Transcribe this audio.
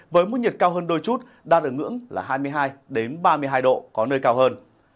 với mức nhiệt cao hơn đôi chút đang ở ngưỡng là hai mươi hai ba mươi hai độ có nơi cao hơn